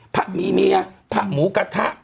พระมีเมียพระหมูกระทะ